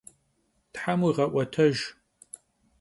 Them vuiğe'uetejj!